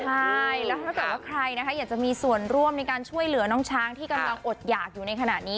ใช่แล้วถ้าเกิดว่าใครนะคะอยากจะมีส่วนร่วมในการช่วยเหลือน้องช้างที่กำลังอดหยากอยู่ในขณะนี้